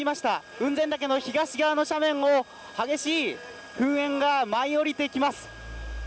雲仙岳の東側の斜面を激しい噴煙が舞い降りてきます。